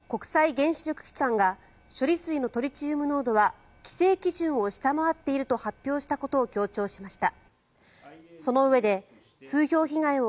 岸田総理はＩＡＥＡ・国際原子力機関が処理水のトリチウム濃度は規制基準を下回っていると発表したことを強調しました。